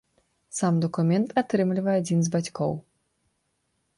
Сам дакумент атрымлівае адзін з бацькоў.